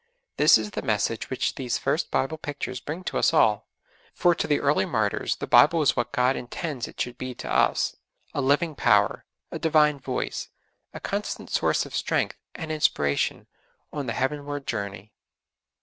This is the message which these first Bible pictures bring to us all. For to the early martyrs the Bible was what God intends it should be to us a living power, a Divine Voice, a constant source of strength and inspiration on the heavenward journey.